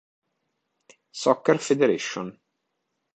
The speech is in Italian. Soccer Federation